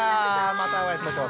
またお会いしましょう。